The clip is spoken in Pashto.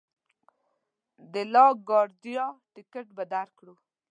د لا ګارډیا ټکټ به درکړو.